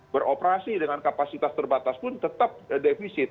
beroperasi dengan kapasitas terbatas pun tetap defisit